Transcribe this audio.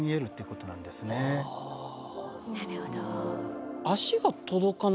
なるほど。